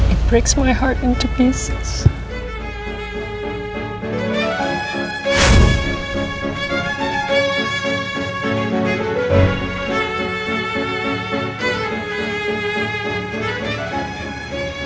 itu membuat hatiku terpisah